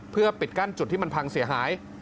เพื่อปิดกั้นจุดที่มันพังเสียหาย